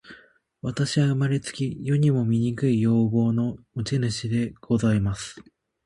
私は生れつき、世にも醜い容貌の持主でございます。